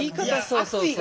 そうそう。